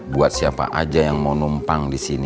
buat siapa aja yang mau numpang di sini